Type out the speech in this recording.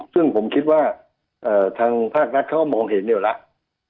ซึ่งผมคิดว่าทางภาครัฐเขาก็มองเห็นอยู่แล้ว